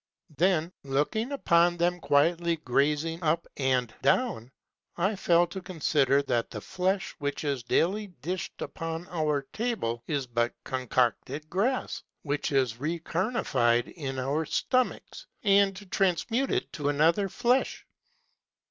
Then lookins: Book II. Familiar Letters. 445 looking upon them quietly grazing up and down, I fell to consider that the Flesh which is daily dish'd upon our Tables is but concocted grass, which is recarnified in our stomachs, and transmuted to another flesh.